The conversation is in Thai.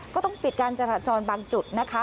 ก็ต้องปิดการจราจรบางจุดนะคะ